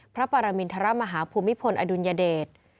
พระปรมินทรมาฮภูมิพลอดุลยเดช